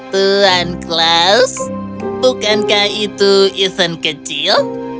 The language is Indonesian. tuan klaus bukankah itu ethan kecil